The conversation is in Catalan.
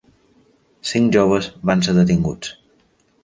Cinc joves van ser detinguts.